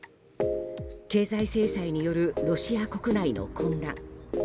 経済制裁によるロシア国内の混乱。